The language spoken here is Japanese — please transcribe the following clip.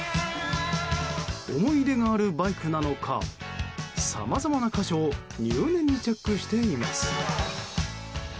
思い入れがあるバイクなのかさまざまな箇所を入念にチェックしています。